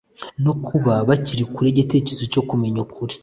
no kuba bari kure y'igitekerezo cyo kumenya ukuri.